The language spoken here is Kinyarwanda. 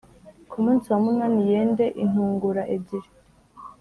Ku munsi wa munani yende intungura ebyiri